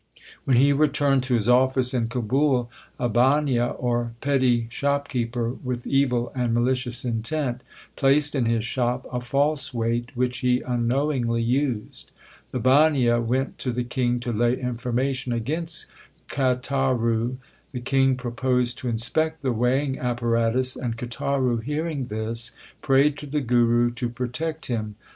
When he returned to his office in Kabul, a bania, or petty shopkeeper, with evil and malicious intent, placed in his shop a false weight, which he unknowingly used. The bania went to the king to lay information against Kataru. The king proposed to inspect the weighing apparatus, and Kataru, hearing this, prayed to the Guru to protect him.